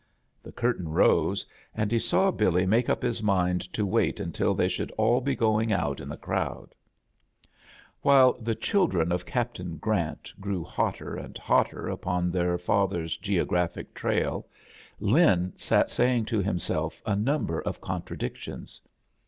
The curtain rose, and he saw BiUy make up his mind to wait until they should all he goii^ out in the crowd. A JOURNEY IN SEARCH OF CHRISTMAS While the chHdrea of Captain Grant grew hotter and hotter upon their father's geo ^ graphic trail* Lin sat sa^i^ to himself a<,^ Dumber of contradictions.